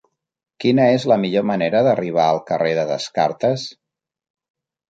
Quina és la millor manera d'arribar al carrer de Descartes?